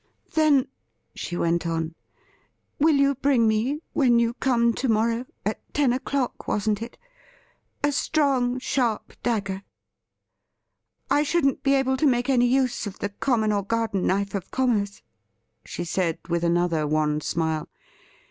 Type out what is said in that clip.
'Then,' she went on, 'will you bring me, when you come to morrow — at ten o'clock, wasn't it.? — a strong, sharp dagger.? I shouldn't be able to make any use of the common or garden knife of commerce,' she said with another wan smile.